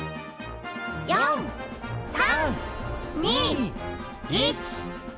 ４３２１０！